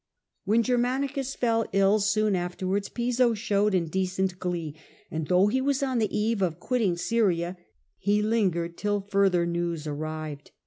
When Germanicus fell ill soon afterwards Piso showed in decent glee, and though he was on the eve of quitting Syria he lingered till further news arrived.